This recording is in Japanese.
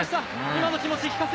今の気持ち